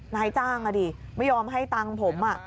นายจ้างอ่ะดิไม่ยอมให้ตังค์ผม